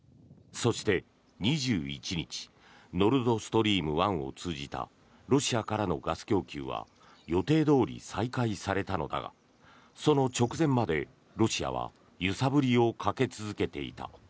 そして、２１日ノルド・ストリーム１を通じたロシアからのガス供給は予定どおり再開されたのだがその直前までロシアは揺さぶりをかけ続けていた。